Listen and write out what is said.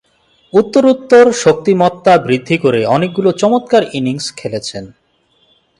উত্তরোত্তর শক্তিমত্তা বৃদ্ধি করে অনেকগুলো চমৎকার ইনিংস খেলেছেন।